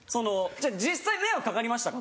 じゃあ実際迷惑かかりましたか？